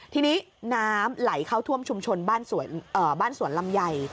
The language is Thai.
ทีนี้น้ำไหลเข้าท่วมชุมชนบ้านสวนเอ่อบ้านสวนลำใหญ่